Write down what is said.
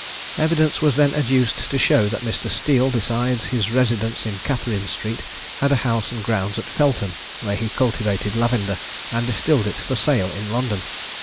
Evidence was then adduced to show, that Mr. Steele, besides his residence in Catherine street, had a house and grounds at Feltham, where he cultivated lavender and distilled it for sale in London.